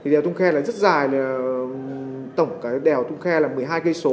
đèo thông khe rất dài tổng đèo thông khe là một mươi hai km